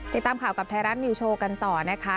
ติดตามข่าวกับไทยรัฐนิวโชว์กันต่อนะคะ